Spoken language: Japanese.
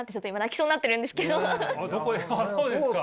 そうですか？